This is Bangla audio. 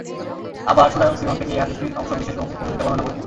আবার শুরায়ক সিমাক থেকে এ হাদীসটির অংশ বিশেষ মওকুফ পদ্ধতিতে বর্ণনা করেছেন।